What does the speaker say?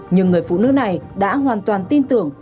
nhưng người phụ nữ này đã hoàn toàn tin tưởng